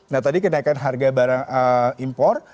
nah tadi kenaikan harga barang impor